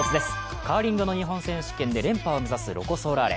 カーリングの日本選手権で連覇を目指すロコ・ソラーレ。